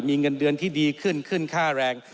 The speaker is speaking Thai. มีเงินเดือนที่ดีขึ้นขึ้นค่าแรง